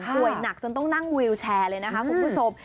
ป่วยหนักจนต้องนั่งวีลแชร์เลยคุณผู้ชม